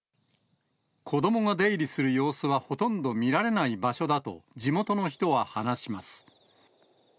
子どもが出入りする様子はほとんど見られない場所だと、地元の人は話します。